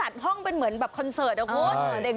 มันต้องเป็นเหมือนแบบคอนเซิร์ตนะครับคุณ